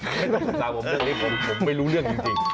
ปรึกษาผมเรื่องเล็กผมไม่รู้เรื่องจริง